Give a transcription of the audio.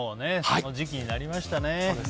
そんな時期になりましたね。